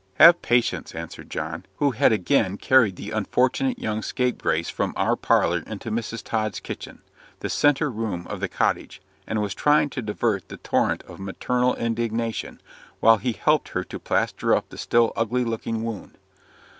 "Have patience," answered John, who had again carried the unfortunate young scapegrace from our parlour into Mrs. Tod's kitchen the centre room of the cottage; and was trying to divert the torrent of maternal indignation, while he helped her to plaster up the still ugly looking wound.